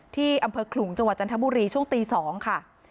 ที่อำเภอขลุงจังหวัดจันทบุรีช่วงตี๒ค่ะ